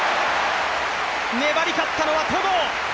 粘り勝ったのは戸郷。